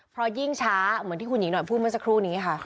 เพราะยิ่งช้าเหมือนที่คุณหญิงหน่อยพูดเมื่อสักครู่นี้ค่ะ